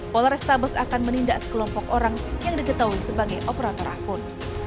polrestabes akan menindak sekelompok orang yang diketahui sebagai operator akun